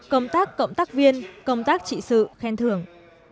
công tác cộng tác viên công tác trị sự khen thưởng